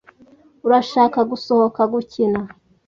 Urashaka gusohoka gukina?